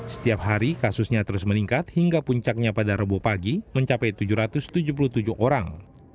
setiap hari kasusnya terus meningkat hingga puncaknya pada rabu pagi mencapai tujuh ratus tujuh puluh tujuh orang